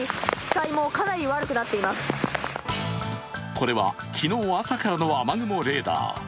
これは昨日朝からの雨雲レーダー。